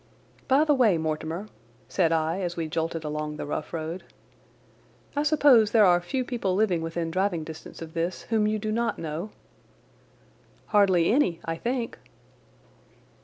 "By the way, Mortimer," said I as we jolted along the rough road, "I suppose there are few people living within driving distance of this whom you do not know?" "Hardly any, I think."